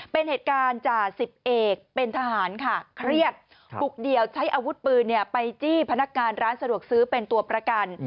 เป็นเหตุการณ์จ่าสิบเอกเป็นทหารค่ะเครียดบุกเดี่ยวใช้อาวุธปืนไปจี้พนักงานร้านสะดวกซื้อเป็นตัวประกัน